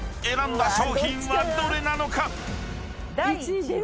［選んだ商品はどれなのか⁉］